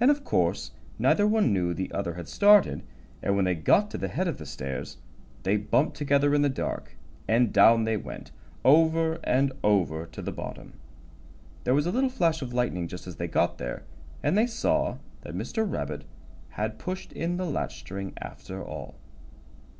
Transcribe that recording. And of course neither one knew the other had started, and when they got to the head of the stairs they bumped together in the dark, and down they went, over and over, to the bottom. There was a little flash of lightning just as they got there, and they saw that Mr. Rabbit had pushed in the latch string after all.